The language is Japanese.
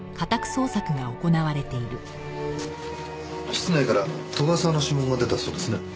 室内から斗ヶ沢の指紋が出たそうですね。